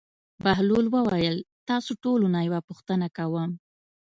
بهلول وویل: تاسو ټولو نه یوه پوښتنه کوم.